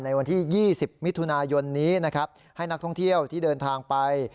ในวันที่๒๐มิถุนายนนี้นะครับให้นักท่องเที่ยวที่เดินทางไป